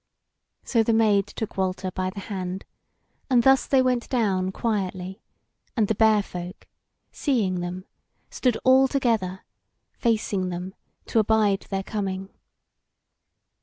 So the Maid took Walter by the hand, and thus they went down quietly, and the Bear folk, seeing them, stood all together, facing them, to abide their coming.